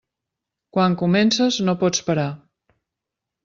Quan comences, no pots parar.